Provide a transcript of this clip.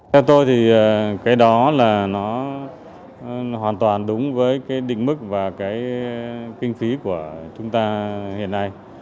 theo tôi thì cái đó là nó hoàn toàn đúng với cái định mức và cái kinh phí của chúng ta hiện nay